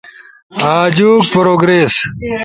آجوک پروگریس